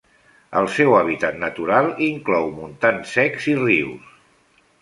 El seu hàbitat natural inclou montans secs i rius.